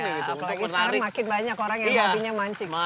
apalagi sekarang makin banyak orang yang hobinya mancing